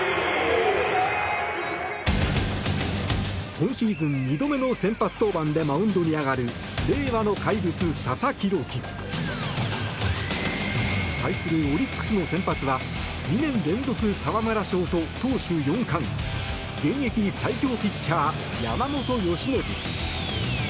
今シーズン２度目の先発登板でマウンドに上がる令和の怪物・佐々木朗希。対するオリックスの先発は２年連続、沢村賞と投手４冠現役最強ピッチャー、山本由伸。